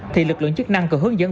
thì lực lượng chức năng có hướng dẫn